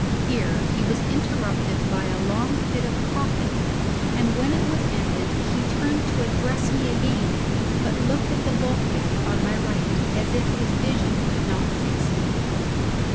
Here he was interrupted by a long fit of coughing, and when it was ended he turned to address me again, but looked at the bulkhead on my right, as if his vision could not fix me.